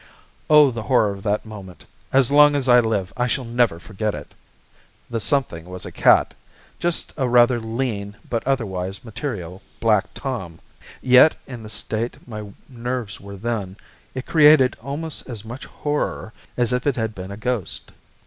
Oh, the horror of that moment, as long as I live I shall never forget it. The something was a cat, just a rather lean but otherwise material, black Tom; yet, in the state my nerves were then, it created almost as much horror as if it had been a ghost.